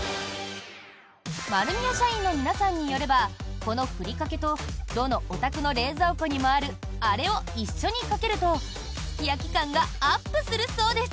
丸美屋社員の皆さんによればこのふりかけとどのお宅の冷蔵庫にもあるあれを一緒にかけるとすき焼き感がアップするそうです。